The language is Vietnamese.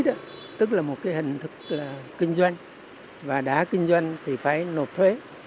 thuế đó tức là một hình thức kinh doanh và đã kinh doanh thì phải nộp thuế